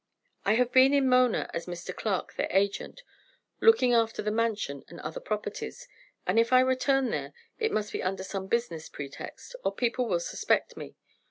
"I have been in Mona as Mr. Clark, their agent, looking after the Mansion and other property, and if I return there, it must be under some business pretext, or people will suspect me.